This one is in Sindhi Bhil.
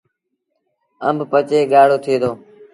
آݩب پچي ڳآڙو ٿئي دو۔